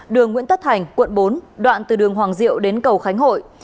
đường nguyễn tất thành quận bốn đoạn từ đường hoàng diệu đến cầu khánh hội